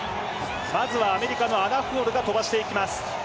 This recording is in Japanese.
まずはアメリカのアナ・ホールが飛ばしていきます。